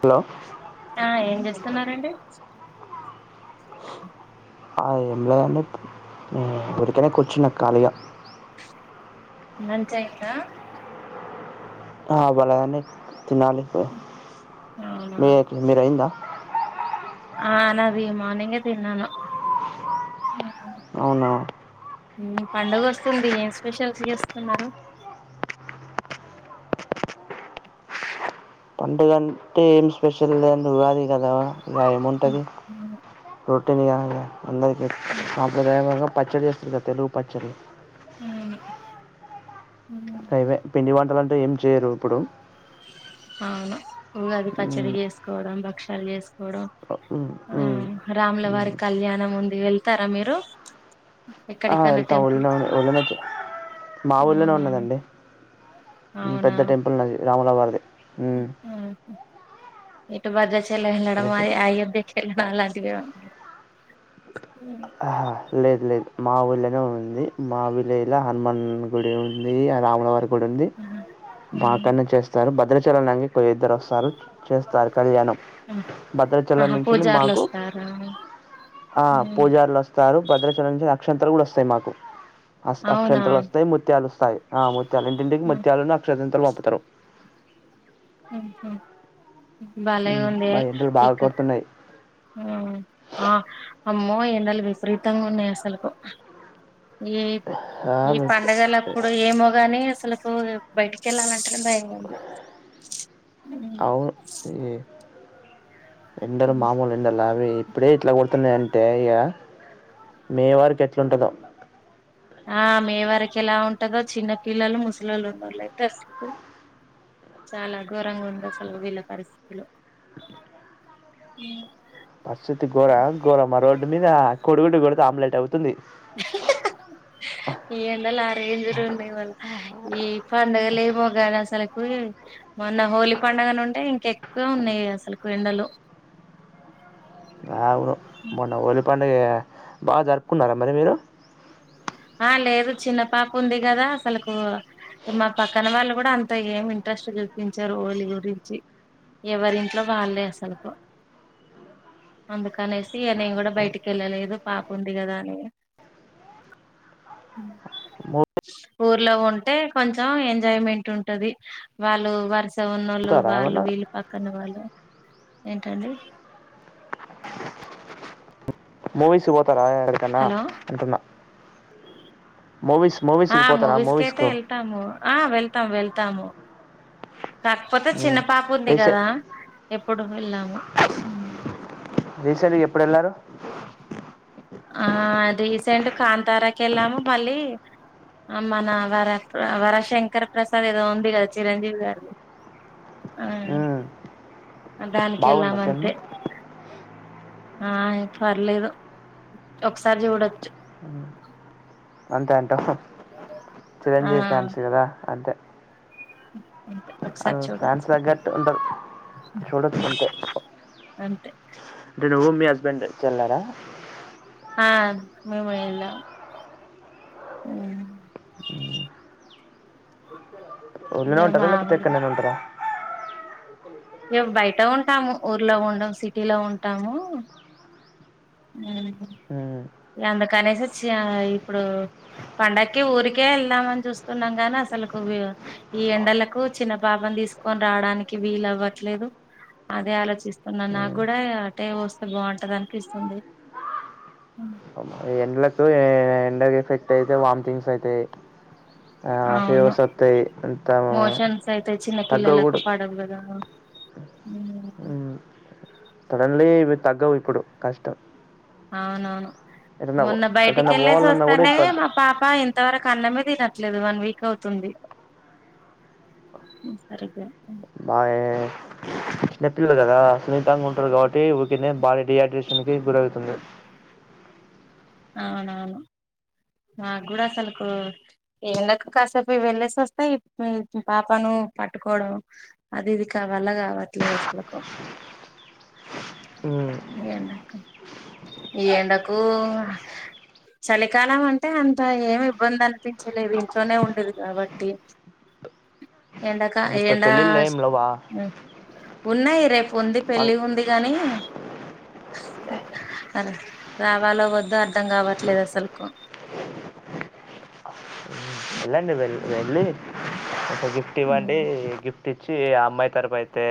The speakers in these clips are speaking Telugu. హలో ఆ ఏం చేస్తున్నారండి ఇన్ ఆడిబుల్ బ్లాంక్ ఆ ఎమ్లెదు అండి ఉ ఉరికెనే కూర్చున్న కాలిగా లంచ్ అయ్యిందా ఆ అవ్వలేదండి తినాలి పో అవునా మీ మీరైంద ఆ నాది మార్నింగె తిన్నాను అవునా హ్మ్ పండుగ వస్తుంది ఏం స్పెషల్స్ చేసుకున్నరు పండుగ అంటే ఏమి స్పెషల్ లేదు ఉగాది కదా ఇగ ఏముంటది తెలుగ గా అందరికీ సాంప్రదాయంగా పచ్చడి చేస్తుంది కదా తెలుగు పచ్చడి ఉవును హైవే పిండి వంటలంటు ఏం చేయరు ఇప్పుడు అవును ఉగాది ఉమ్, పచ్చడి వేసుకోవడం భక్షాలు చేసుకోవడం ఉమ్, ఆ ఉమ్, ఉమ్. రాములవారి కళ్యాణం ఉంది వెళ్తారా మీరు ఆ ఎక్కడికన్నా వెళ్తాం ఉళ్ళ టెంపుల్స్ కి ఉళ్ళనేకి మా ఊళ్ళనే అవునా ఉన్నదండి ఉమ్ అవునా పెద్ద టెంపుల్ ఉన్నది రాముల వారిది ఉమ్. ఇటు భద్రాచలం ఎల్లడం అయి అయోధ్యకి కెల్లడం లాంటివే ఎమన్నా ఉందా ఆహా లేద్ లేద్ మావుళ్లనే ఉంది మావిలేజ్ లా హనుమన్ గుడి ఉంది రాములవారి ఉంది బా ఉమ్, కన్నా చేస్తారు భద్రాచలం లంగికో ఇద్దరు వస్తారు చేస్తారు కళ్యాణం ఆ భద్రాచలం ఆహా నుంచి ఎల్లి పూజార్లు మాకు వస్తారా ఆ పూజారులు వస్తారు భద్రాచలం నుంచి అక్షింతలు కూడా వస్తాయి మాకు అస్ అవునా అక్షంతలు వస్తాయి ముత్యాలు వస్తాయి ఆ ముత్యాలు ఇంటింటికి ముత్యాలున్ను అక్షంతాలు పంపుతరు ఉహ్ బాలే హ్మ్. ఉంది బా ఎండలు బాగా ఇక్ కొడుతున్నాయి. ఆ అ అమ్మో ఎండలు విపరీతంగ ఉన్నాయి అసలుకు ఈ ఆ! ఈ మీకు పండగలప్పుడు ఏమో గాని అసలకు బయటికి వెళ్ళాలంటే భయంగుంది హ్మ్ అవును. ఈ ఎండలు మామూలు ఎండల్ కాద్ దు ఇప్పుడే ఇట్లా కొడుతున్నాయి అంటే ఇగ మే వరికి ఎట్లుంటదో ఆ మే వరకు ఎలా ఉంటదో చిన్న పిల్లలు ముసలోళ్ళు ఉన్నో ళ్ళు అయితే అసలికు చాలా ఘోరంగ ఉంది అసలు వీళ్ళ పరిస్థితులొ ఉమ్ పరిస్థితి గోరమ గోరమా రోడ్డు మీద కోడి గుడ్డు కొడితే ఆమ్లేట్ అవు ఎహెహహ్హ ఈ ఎండలు ఆ రేంజ్ లు ఉన్నాయ్ మల్ల ఈ పండగల్లెమో ఘనఅస్సలక్ ఒరేయ్ మొన్న హోలీ పండగనుండే ఇంకా ఎక్కువ ఉన్నాయి అసలుకు ఎండలు బ్లాంక్ అవును మొన్న హోలి పండుగ బాగా జరుపుకున్నారా మరి మీరు ఆ లేదు చిన్న పాప ఉంది కదా అసలుకు మా పక్కన వాళ్ళు కూడా అంత ఏమి ఇంట్రెస్ట్ చూపించరు హోలి గురించి ఎవరింట్లో వాళ్ళే అసలకు అందుకనేసి ఇగ నేను కూడా బయటికి వెళ్ళలేదు పాప ఉంది కదా అని ఇగా మొ తే ఊర్లో ఉంటే కొంచెం ఎంజాయ్మెంట్ ఉంటది వాళ్ళు వరుస స ఉన్నో ళ్ళు పోతారా వాళ్ళు ఏమన్నా వీళ్ళు పక్కన వాళ్ళు ఏంటండి మూవీస్ కి పోతర ఏడి కన్నా హలో అంటున్నా మూవీస్ ఆ మూవీస్కి పోతారా మూవీస్కైతే మూవీస్కు ఎళ్తాము ఆ వెళ్తామ్ వెళ్తాము కాకపోతే చిన్న పాప ఉంది రీసెంట్ కదా ఎప్పుడు వెళ్ళాము మ్ రీసెంట్గా ఎప్పుడు ఎళ్లారు ఆ రీసెంట్ కాంతారాకెల్లము మళ్ళీ మన వరప్ర వరశంకర్ ప్రసాద్ ఏదో ఉంది గదా చిరంజీవి గారిది ఉమ్ దానికెళ్ళామంతే ఆహ్ పర్లేదు ఒకసారి చూడొచ్చు అంతే అంటావ్ ఆ చిరంజీవి ఫ్యాన్స్ కదా అంతే అంతే ఒకసారి అన్ చూడొచ్చు ఫ్యాన్స్ తగ్గాటు ఉండవ్ అంతే నువ్వు మీ హస్బెండ్ చెళ్ళారా ఆ మేము ఎల్లాం ఉ మ్ ఊర్లనే ఉంటార లేపోతే మామూలు ఎక్కనన్న ఉంటారా మేమ్ బయట ఉంటాము ఊర్లో ఉండము సిటీలో ఉంటాము మ్ మ్మ్. అందుకనేసి చ్చ ఇప్పుడు పండక్కి ఊరికే ఏళ్దామని చూస్తున్నాం గాని అసలుక్ ఈ ఎండలకు చిన్న పాపని తీస్కోనిరడానికి వీలవ్వట్లేదు అదే ఆలోచిస్తున్నా మ్మ్. నాగుడా అటే వస్తే బాగుంటంది అనిపిస్తూ స్తుంది ఉమ్ అవి ఎఫెక్ట్ అయితే వాంథింగ్స్ అయితై అవును అంత మోషన్సైతే చిన్న తగ్గవు పిల్లలకు కూడా పడవు కదా ఉమ్మ్ సడన్లీ ఇవి తగ్గవ్ ఇప్పుడు కష్టం అవునవును ఎటన్నా మొన్న ఎటన్నా బయటికెళ్ళేసి పోవాలన్నా కూడా వస్తానే ఇబ్బంది మా పాప ఇంతవరకు అన్నమే తినట్లేదు వన్ వీక్ అవుతుంది సరిగా మఏ చిన్నప్పిల్లలు కదా సున్నితంగా ఉంటారు కాబట్టి ఊకనే బాడీ డిహైడ్రేషన్ కి గురవుతుంది అవునవును నాగూడా అసలకు ఎండకు కాసేపు వెళ్ళేసి వస్తే ఇ మ్ పాపను పట్టుకోవడం అది ఇది కా వల కావట్లేదు అసల్కో ఈ ఎండకు ఈ ఎండకూ చలికాలం అంటే అంత ఏమి ఇబ్బందనిపించలేదు ఇంట్లోనే ఉండేది కాబట్టి ఏండకా ఇప్పుడు ఏండా పెళ్ళిళ్ళు ఏం లేవా ఉమ్ ఉన్నాయి రేపు ఉంది పెళ్ళి ఉంది గాని సరే రావాలా వద్ద అర్థం కావట్లేదు అసల్కో వెళ్ళండి వెల్ వెళ్ళి ఒక గిఫ్ట్ ఇవ్వండి గిఫ్ ట్టిచ్చి ఆ అమ్మాయి తరుపు అయితే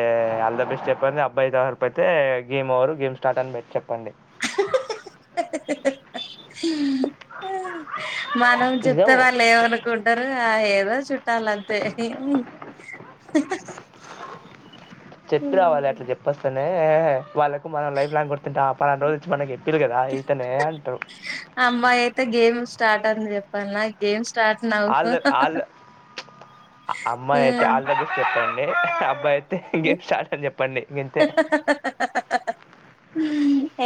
ఆల్ ద బెస్ట్ చెప్పంది అబ్బాయి తరపు అయితే గేమ్ ఓవరు గేమ్ స్టార్ట్ అని మీర్ చెప్పండి హక్ అ్ అ్ అ్ అ్ అ్ నిజం అ్ [inaudible] మ్మ్ మనం చెప్తే వాళ్ళేమనుకుంటారు ఆ ఏదో చుట్టాలంతే చెప్పి రావాలి అట్లా చెప్పొస్తేనే వాళ్ళకు మనం లైఫ్ లాంగ్ గుర్తుంటాం ఆ పలన రోజు ఒచ్చి మనకి చెప్ పీర్ గదా అయితనే అంటావ్ తే గేమ్ స్టార్ట్ అన్ చెప్పల్న గేమ్స్ ఆళ్ ఆళ్ అమ్మాయ్ అయితే ఆల్బెబెస్ట్ చెప్పం అబ్బాయి అయితే గెమ్ స్టార్ట్ అని చెప్పండి గింతే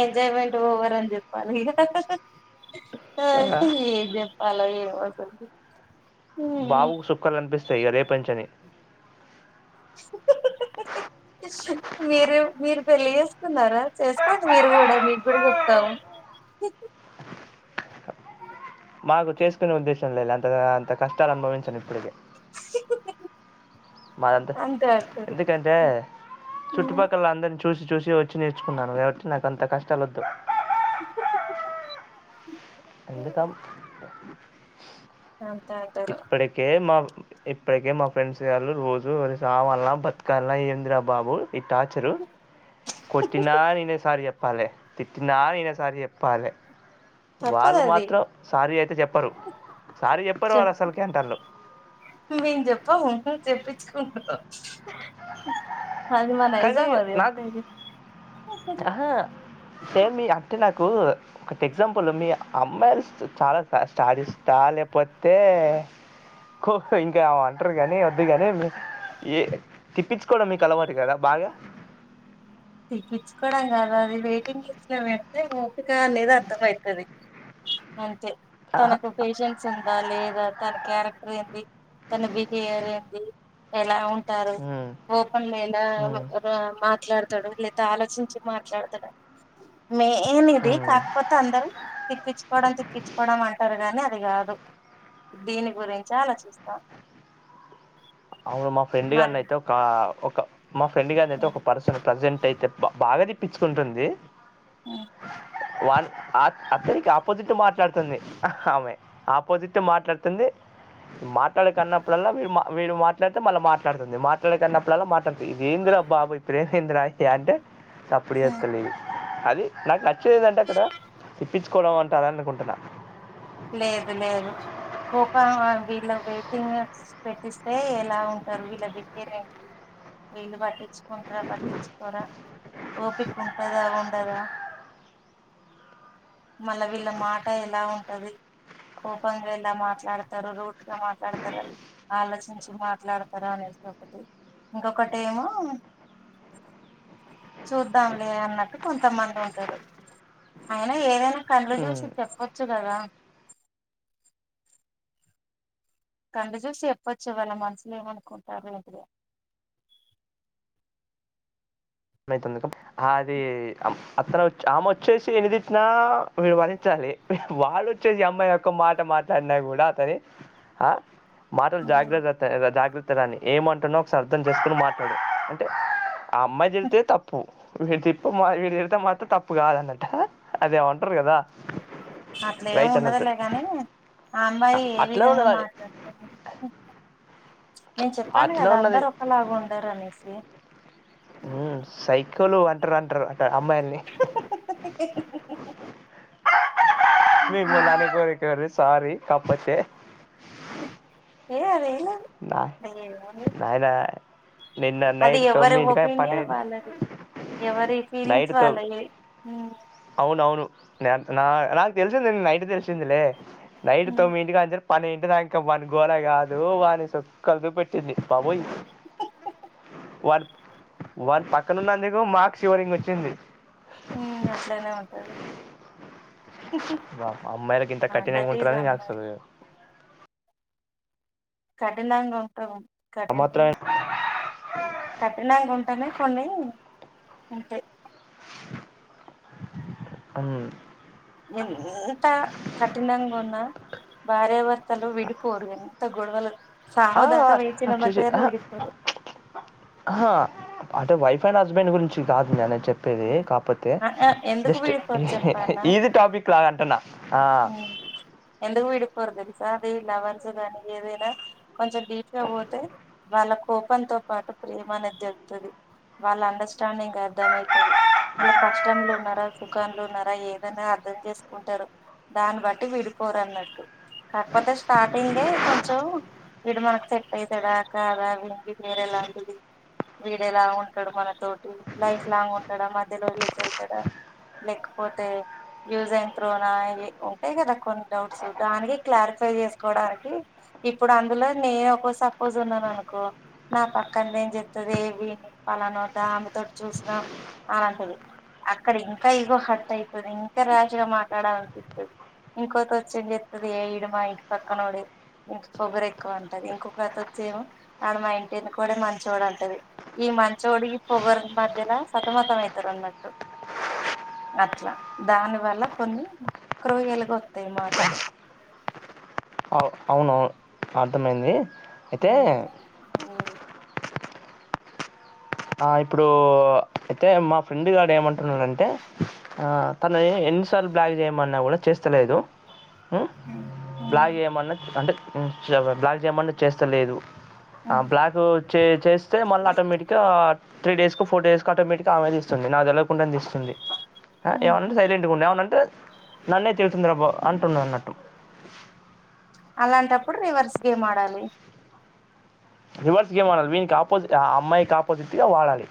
ఎంజాయ్మెంట్ ఓవర్ అని చెప్పాలి ఇగా సార్పింది ఎం చెప్పాలలో ఎమో అసల్క్ బావు సుక్కలు కనిపిస్తాయ్ ఇగ రేపంచని ఇచ్ ఊ - ఉహు -ఊ -ఉహు మీరు మీరు పెళ్లి జేసుకున్నారా చేసుకోండి మీరు గూడా మీగ్గూడా జొప్తాము. ఊ హు మాకు చేసుకునే ఉద్దేశం లేదులే అంతగా అంత కష్టాలు అనుభవించను ఇప్పుడిగే ఇచ్ ఊ-ఉహు మాయంతె ఎందుకంటే చుట్టుపక్కల అందర్ చు చూసి చూసి వచ్చి నేర్చుకున్నాను గావట్టి నాకి అంత కష్టాలొద్దు. ఊ-ఉహు-ఊ-ఉహు ఎందుకం అంతే అంటారు ఇప్పడికే మ ఇప్పడికే మా ఫ్రెండ్స్ గాళ్ళు రోజు అది సావాల్నా బతకాల్నా ఎందిరా బాబు ఈ టార్చరు కొట్టినా నేనే సారి జొప్ ప్పాలే తిట్టినా నేనే సారీ జొప్పాలే తప్పదు వాళ్ళు అది మాత్రం సారీ అయితే జొప్పరు సారీ జొప్పరు వాళ్ళు అస్సల్కి అంటాళ్లు మేమ్ జొప్పము హ్మ్ హు చెప్పిచ్చుకుండు కానీ నాక్ ఆహా సేమ్ మీ అంటే నాక్ కు ఒకటి ఎగ్జాంపుల్ మీ అమ్మాయిలు చాలా స్టాడిస్టా లేపోతే బ్లాంక్ కో ఇంకా అంటరు గానీ వద్దుగాని ఏ తిప్పిచ్చుకోడం మీకు అలవాటే గదా బాగ తిప్పిచ్చుకోడం కాదు అది వెయిటింగ్ లిస్ట్ లో పెడ్తె ఓపిక అనేది అర్ధమైతది. అంతే తనకు పేషెన్ సుందా లేదా తన క్యారెక్టర్ ఏంది తన బిహేవియర్ ఏంది ఎలా ఉ టారు మ్మ్. కోపంలో ఎలా మ్మ్. రా మాట్లాడు తడు లేదా ఆలోచించి మాట్లాడుతడా మేన్ ఇది మ్మ్. కాకపోతే అందరూ తిప్పిచ్చుకోడం తిప్పిచ్చుకోడం అంటారు గానీ అది గాదు దీని గురించా ఆలోచిస్తా అవును మా ఫ్రెండ్ గాన్ని అయితే ఒక ఒక మా ఫ్రెండ్ గాన్ని అయితే ఒక పర్సన్ ప్రజెంట్ అయితే బ బాగా తిప్పిచ్చుకుంటుంది. హ్మ్ వాన్ ఆ అత్తయ్యకి ఆపోజిట్ మాట్లాడుతుంది ఆమె ఆపోజిట్ మాట్లాడుతుంది. మాట్లాడకు అన్నప్పుడల్లా వీడు మ వీడు మ మాట్లడితే మళ్ళ మాట్లాడుతుంది మాట్లాడకన్నప్పుడల్లా మాట్లాడుతి ఇదేంద్రా బాబు ఈ ప్రేమ ఏందిరయ్యా అంటే సప్పుడు జేత్తలేదు అది నాకు నచ్చేది ఏది అంటే అక్కడ తిప్పిచ్ కొలం అంటారనుకుంటున్న లేదు లేదు కోపం వ వీళ్ళ వెయిటింగ్స్ పెట్టిస్తే ఎలా ఉంటారు వీళ్ళ బిహేరేంది వీళ్ళు బట్టిచ్చుకుంటరా బట్టిచ్చుకోరా ఓపిక ఉంటదా ఉండదా మళ్ళ వీళ్ళ మాట ఎలా ఉంటది కోపంగా ఎలా మాట్లాడుతారు రూట్గా మాట్లాడతరా ఆలోచించి మాట్లాడతారా అనేసి ఒకటి ఇంకొకటేమో చూద్దాంలే అన్నట్టు కొంతమంది ఉంటారు. అయినా ఏదైనా కండ్లు జూసి చెప్పొచ్చు గదా కండ్లు చూసి చెప్పొచ్చు వాళ్ళ మనసులో ఏమనుకుంటారో ఎంటిదో ఏైతుందుకు అది హం అతను ఆమె వచ్చేసి ఎన్ని తిట్టిన వీడు బరించాలి వాడొచ్చేసి ఈ అమ్మాయి యొక్క మాట మాట్లాన్నా గూడా తదే ఆ మాటలు జాగ్ర [unintelligible] జాగ్ర తదని ఏమంటున్నా ఒకసారి అర్థం చేసుకోని మాట్లాడు అంటే ఆ అమ్మాయి దెల్ తే తప్పు వితిపు విడు తిడితే మాత్రం తప్పు కాదన్నట అదేమంటారు కదా అట్లేమీ రైట్ ఉండదు అన్నట్టు లే కానీ ఆ అమ్మాయి ఏ అట్లా విధంగా ఉన్నది అది మాట్లాడుతదొ నేను చెప్పాను అట్లా కదా, ఉన్నది అందరూ ఒకలాగా ఉండరు అనేసి. ఉమ్, సైకోలు అంటార అంటారు. అమ్మాయిల్ని మిమ్మల్ని అనుకోకురి, సారీ, కాపోతే ఏ అదే నా నాయి నా అది ఎవ్వరి ఒపీనియన్ వాళ్లది ఎవరి ఫీలింగ్స్ వాళ్ళయి అవును అవును, నా నా నాకు తెలిసింది నైట్ హే, తెలిసిందిలే, నైట్ తొమ్మిది ఇంటి కాంచ్చేల్ పన్నెండు ఇంటి దాకా వాని గోలా కాదు, వానికి చుక్కలు చూపెట్టింది బాబోయి. వాన్ వానీ పక్కన ఉన్నందుకు మాకు శివరింగ్ వచ్చింది ఊ గట్లనే ఉంటది వా అమ్మాయిలకి ఇంత ఆ కఠినంగా దట్ ఈజ్ ఉంటారని నాకు అసలు అమ్మాయిలే కఠినంగా ఉంటాము ఆ కఠిన మాత్రమే కఠినంగా ఉంటేనే కొన్ని ఉంటై మ్మ్ ఎంతా కఠినంగా ఉన్నా భార్యాభర్తలు విడిపోరు గని ంత గొడవలు సావు ఆ దాకా వేచిన మధ్య అచ్చెచ్చే గాని ఆ హా విడిపోరు అ హా అంటే వైఫ్ వైఫ్ అండ్ హస్బెండ్ గురించి కాదు, నేను అనేది చెప్ ప్పేది కాకపోతే ఆ, ఆ, ఎందుకు జస్ట్ విడిపోరు ఈజీ టాపిక్ లాగా అంటూన్నా ఉమ్ ఎందుకు వీడి పోరు తెల్ సా అది లవర్స్ గాని ఏదైనా కొంచెం డీప్ గా పోతే వాళ్ల కోపంతో పాటు ప్రేమ అనేది తెల్త్తది వాళ్ల అండర్‌స్టాండింగ్ అర్థమైతది వాళ్ళు కష్టంలో ఉన్నారా సుఖంలో ఉన్నారా ఏదన్నా అర్ధం చేసుకుంటారు దాన్ని బట్టి విడిపోరన్నట్టు కాకపోతే స్టార్టింగే కొంచెం వీడు మనకు సెట్ అయితాడ కాదా వీనికి వేరేలా ఐతది వీడు ఎలా ఉంటాడు మనతోటి లైఫ్ లాంగ్ ఉంటాడా మధ్యలో వదిలేసి ఎళ్తాడా. లేకపోతే యూజన్ త్రోనా ఏ ఉంటాయి కదా కొన్ని డౌట్స్, దానికి క్లారిఫై చేసుకోవడానికి ఇప్పుడు అందులో నేను ఒకో సపోజ్ ఉన్నాను అనుకో, నా పక్కంది ఏం చేతది విని పలన దమేతోటి చూసినా ఆన్ అంట్టాది అక్కడ ఇంకా ఇగో హాట్ అయితది ఇంకా రాష్ గా మాట్లాడలీ అనిపిస్తా ఇంకొంతి వచ్చి ఏం చేత్తది ఏ ఇడు మా ఇంటి పక్కనోడు ఇనికి పొగురు ఎక్కువ అంటది ఇంకొకతి వచ్చి ఏమో ఆ మా ఇంటి ఏనుకోడే మంచోడే అంటది ఇ మంచోడికి పోగరూకు మధ్యల సతమతం అయితారన్నట్టు అట్లా దాని వల్ల కొన్ని. క్రూయల్‌గా వత్తయి మాటలు. కో అవును అర్థమైందీ ఉ ఉమ్ ఆ, ఇప్పుడు అయితే మా ఫ్రెండ్ గాడు ఏమంటున్నాడంటే, అ తనే ఎన్నిసార్లు బ్లాక్ చేయమన్నా కూడా చేస్తలేదు మ్ బ్లాక్ చేయమన్నా అంటే బ్లాక్ చేయమన్నా చేస్తలేదు ఆ బ్లాక్ చే చేస్తే మళ్ళ ఆటోమేటిక్ త్రీ డేస్ కో ఫోర్ డేస్ కో ఆటోమేటిక్ గా ఆమె దీస్తుంది నాకు దెలవదు ఉండన్ దిస్తుంది అ ఏమన్నంటే సైలెంట్ గా ఉండు ఏమన్నంటే నన్నే తిడుతుందిర బా అంటున్నాదన్నట్టు అలాంటప్పుడు రివర్స్ గేమ్ ఆడాలి రివర్స్ గేమ్ ఆడాలి వీనికి ఆపోజిట్ ఆ అమ్మాయికి ఆపోజిట్ గా వాడాలి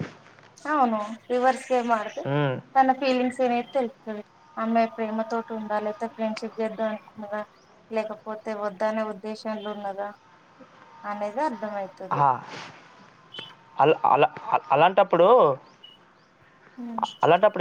అవును రివర్స్ గేమ్ ఆడితే ఉమ్. తన ఫీలింగ్స్ అనేది తెలు తది అమ్మాయి ప్రేమతోటి ఉందా లేకపోతే ఫ్రెండ్షిప్ చేద్దాం అనుకున్నదా లేకపోతే వద్దనే ఉద్దేశంల ఉన్నదా అనేది అర్ హ అల అలా అలాంటప్పుడూ ఉమ్